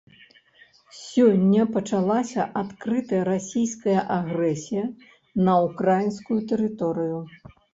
Сёння пачалася адкрытая расійская агрэсія на ўкраінскую тэрыторыю.